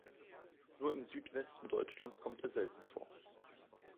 Nur im Südwesten Deutschlands kommt er selten vor.